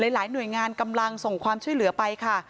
หลายหน่วยงานกำลังส่งความช่วยเหลือไปค่ะ